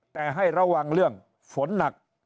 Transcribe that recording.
แต่ให้ระวังเรื่องฝนหนัก